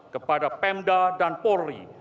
kepada pemda dan polri